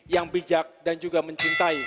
yang bijak dan juga mencintai